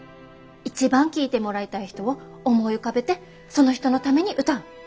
一番聴いてもらいたい人を思い浮かべてその人のために歌う。